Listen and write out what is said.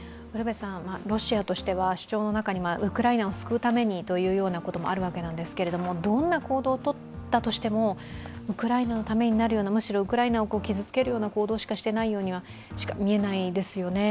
ロシアとしては主張の中にウクライナを救うためにということがあるようなんですけどどんな行動をとったとしても、ウクライナのためになるような、むしろウクライナを傷つける行動しかしていないようにしか見えないですよね。